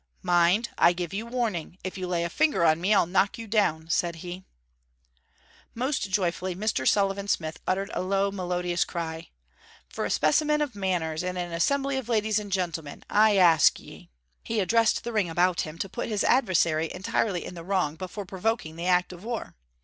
'Mind, I give you warning, if you lay a finger on me I'll knock you down,' said he. Most joyfully Mr. Sullivan Smith uttered a low melodious cry. 'For a specimen of manners, in an assembly of ladies and gentlemen... I ask ye!' he addressed the ring about him, to put his adversary entirely in the wrong before provoking the act of war.